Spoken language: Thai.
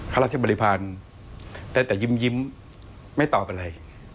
ข้าราชบริพาณได้แต่ยิ้มไม่ตอบอะไร